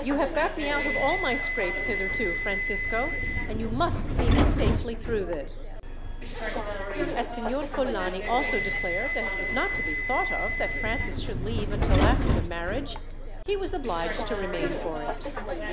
"You have got me out of all my scrapes hitherto, Francisco, and you must see me safely through this." As Signor Polani also declared that it was not to be thought of, that Francis should leave until after the marriage, he was obliged to remain for it.